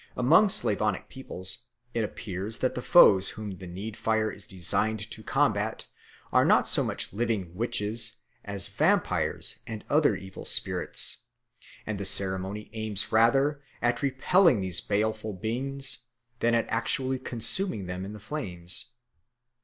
Among Slavonic peoples it appears that the foes whom the need fire is designed to combat are not so much living witches as vampyres and other evil spirits, and the ceremony aims rather at repelling these baleful beings than at actually consuming them in the flames.